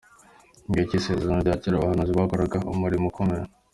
Mu gihe cy’Isezerano rya cyera abahanuzi bakoraga umurimo ukomeye.